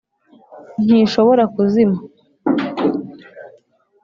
Ntishobora kuzima .